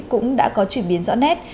cũng đã có chuyển biến rõ nét